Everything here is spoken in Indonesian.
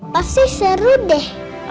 pasti seru deh